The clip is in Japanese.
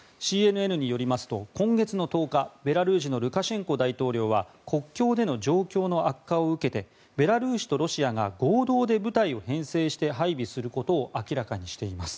ＣＮＮによりますと今月の１０日ベラルーシのルカシェンコ大統領は国境での状況の悪化を受けてベラルーシとロシアが合同で部隊を編成して配備することを明らかにしています。